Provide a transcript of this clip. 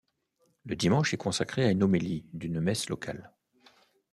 Le dimanche est consacré à une homélie d'une messe locale.